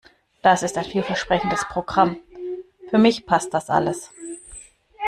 Das ist ein vielversprechendes Programm. Für mich passt das alles.